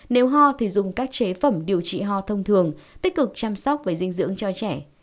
nếu ho thì dùng các chế phẩm điều trị ho thông thường tích cực chăm sóc và dinh dưỡng cho trẻ